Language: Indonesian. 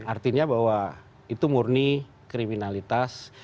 artinya bahwa itu murni kriminalitas